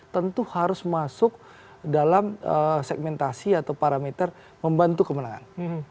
tentu harus masuk dalam segmentasi atau parameter membantu kemenangan